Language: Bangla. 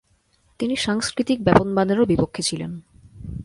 তিনি সাংস্কৃতিক ব্যাপনবাদেরও বিপক্ষে ছিলেন।